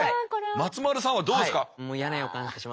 松丸さんはどうですか？